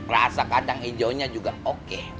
rasa kacang ijo nya juga oke